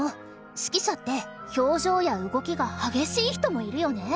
指揮者って表情や動きが激しい人もいるよね。